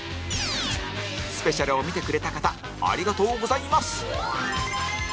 スペシャルを見てくれた方ありがとうございます